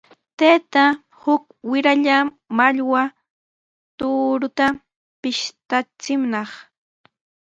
Taytan uk wiralla mallwa tuuruta pishtachinaq.